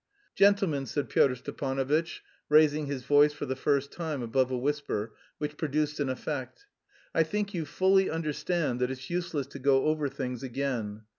"Gentlemen," said Pyotr Stepanovitch, raising his voice for the first time above a whisper, which produced an effect, "I think you fully understand that it's useless to go over things again.